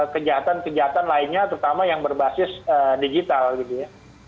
kejahatan kejahatan lainnya terutama yang berbasis digital gitu ya